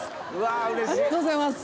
ありがとうございます。